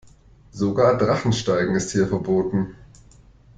Sogar Drachensteigen ist hier verboten.